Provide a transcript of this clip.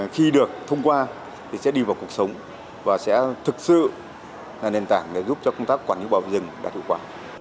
khi được thông qua thì sẽ đi vào cuộc sống và sẽ thực sự là nền tảng để giúp cho công tác quản lý bảo vệ rừng đạt hiệu quả